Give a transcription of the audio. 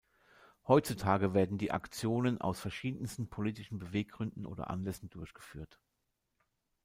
Heutzutage werden die Aktionen aus verschiedensten politischen Beweggründen oder Anlässen durchgeführt.